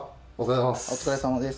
お疲れさまです。